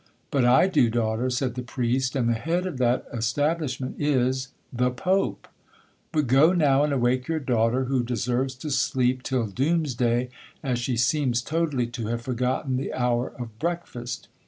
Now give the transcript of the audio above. '—'But I do, daughter,' said the priest, 'and the head of that establishment is—the Pope;—but go now, and awake your daughter, who deserves to sleep till doomsday, as she seems totally to have forgotten the hour of breakfast.